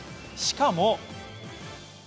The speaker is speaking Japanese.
しかも。